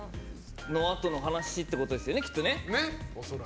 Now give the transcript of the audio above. そのあとの話ってことですねきっとね。